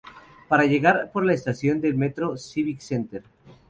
Para llegar por la estación de metro Civic Center.